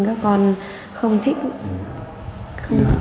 các con không thích